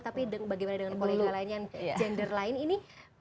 tapi bagaimana dengan kolega lain yang gender lain ini